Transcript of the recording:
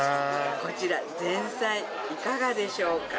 こちら前菜いかがでしょうか？